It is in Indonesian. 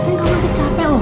sekalian kamu akan capek loh